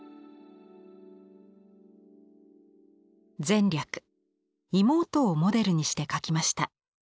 「前略妹をモデルにして描きました。